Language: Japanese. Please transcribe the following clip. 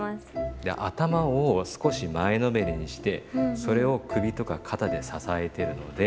頭を少し前のめりにしてそれを首とか肩で支えてるので。